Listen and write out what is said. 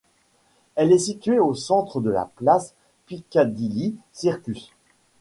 Elle est située au centre de la place Piccadilly Circus.